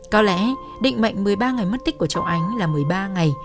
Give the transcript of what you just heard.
có lẽ định mệnh một mươi ba ngày mất tích của cháu ánh là một mươi ba ngày